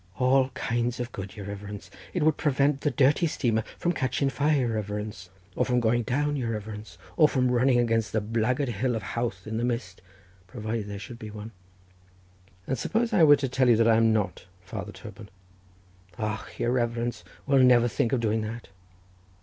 "All kinds of good, your reverence; it would prevent the dirty steamer from catching fire, your reverence, or from going down, your reverence, or from running against the blackguard Hill of Howth in the mist, provided there should be one." "And suppose I were to tell you that I am not Father Toban?" "Och, your reverence will never think of doing that."